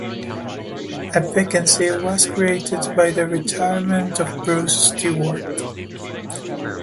A vacancy was created by the retirement of Bruce Stewart.